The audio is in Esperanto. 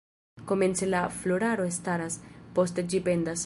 Komence la floraro staras, poste ĝi pendas.